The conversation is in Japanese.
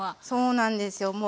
そうなんですよ